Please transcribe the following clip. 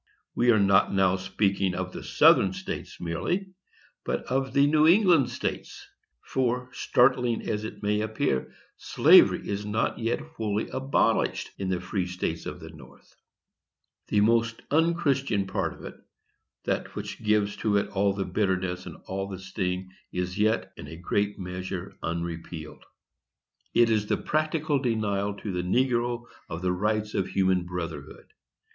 We are not now speaking of the Southern States merely, but of the New England States; for, startling as it may appear, slavery is not yet wholly abolished in the free states of the North. The most unchristian part of it, that which gives to it all the bitterness and all the sting, is yet, in a great measure, unrepealed; it is the practical denial to the negro of the rights of human brotherhood.